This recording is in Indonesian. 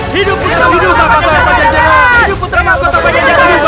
hidup berada di kianjaman